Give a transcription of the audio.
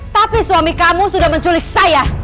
tapi suami kamu sudah menculik saya